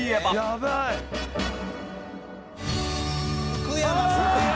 福山さん！